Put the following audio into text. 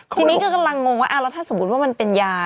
ทีนี้ก็กำลังงงว่าแล้วถ้าสมมุติว่ามันเป็นยา